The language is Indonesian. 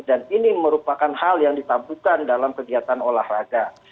dan ini merupakan hal yang ditampukan dalam kegiatan olahraga